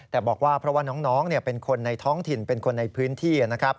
แต่บอกว่าเพราะว่าน้องเป็นคนในท้องถิ่นเป็นคนในพื้นที่นะครับ